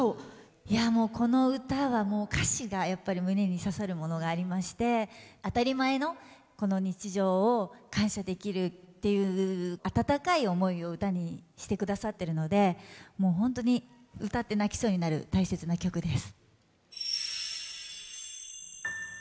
いやもうこの歌は歌詞がやっぱり胸に刺さるものがありまして当たり前のこの日常を感謝できるっていう温かい思いを歌にして下さってるのでもうほんとに歌って泣きそうになる大切な曲です。